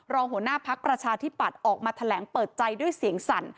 หัวหน้าพักประชาธิปัตย์ออกมาแถลงเปิดใจด้วยเสียงสั่น